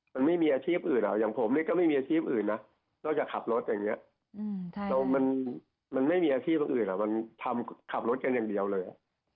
มันไม่มีอาชีพอื่นอย่างผมเนี่ยก็ไม่มีอาชีพอื่นนะนอกจากขับรถอย่างนี้มันไม่มีอาชีพอื่นมันทำขับรถกันอย่างเดียวเลย